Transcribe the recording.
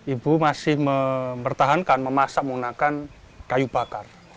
ibu masih mempertahankan memasak menggunakan kayu bakar